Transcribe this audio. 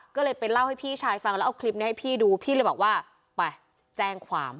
ก็เลยไปเล่าให้พี่ชายฟังแล้วเอาคลิปนี้ให้พี่ดูพี่เลยบอกว่าไปแจ้งความ